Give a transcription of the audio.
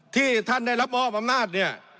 ที่ท่านได้รับมอบอำนาจเนี่ย